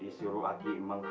disuruh aki menghadapi